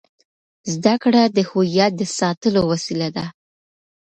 زده کړه د هویت د ساتلو وسیله ده.